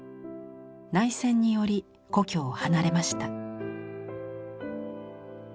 内戦により故郷を離れました。